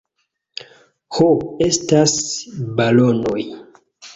Ho estas balonoj